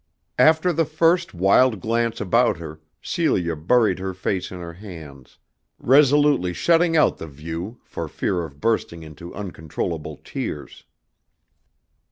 After the first wild glance about her, Celia buried her face in her hands, resolutely shutting out the view for fear of bursting into uncontrollable tears.